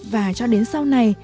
và cho đến sau này